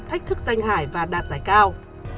thách thức danh hải và đạt giải cao